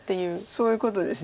そういうことです。